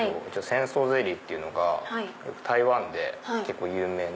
仙草ゼリーっていうのが台湾で結構有名な。